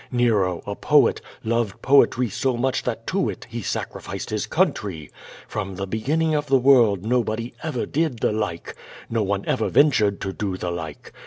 Nero, a poet, loved poetry so much that to it he sacrificed his country! From the beginning of the world nobody ever did the like — no one ever ventured to do the like.